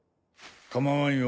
かまわんよ